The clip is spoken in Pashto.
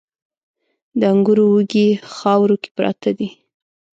د انګورو وږي خاورو کې پراته دي